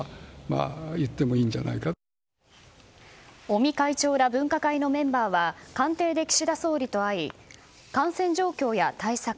尾身会長ら分科会のメンバーは官邸で岸田総理と会い感染状況や対策